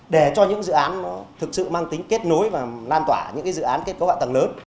để cho những dự án nó thực sự mang tính kết nối và lan tỏa những dự án kết cấu hạ tầng lớn